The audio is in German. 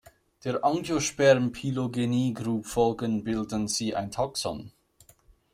Der Angiosperm Phylogeny Group folgend bilden sie ein Taxon.